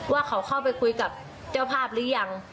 ว่าเขาเข้าไปคุยกับเจ้าภาพหรือยัง